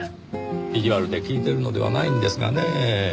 意地悪で聞いてるのではないんですがねぇ。